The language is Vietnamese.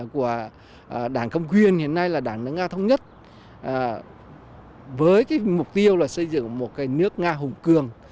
của đảng công quyền hiện nay là đảng nước nga thông nhất với cái mục tiêu là xây dựng một cái nước nga hùng cường